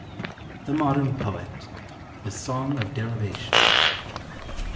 THE MODERN POET. A SONG OF DERIVATIONS."